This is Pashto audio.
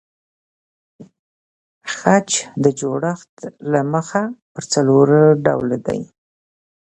خج د جوړښت له مخه پر څلور ډوله دئ.